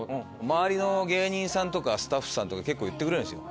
周りの芸人さんとかスタッフさん結構言ってくれるんですよ。